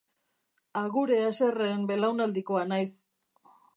Agure haserreen belaunaldikoa naiz.